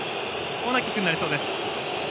コーナーキックになりそうです。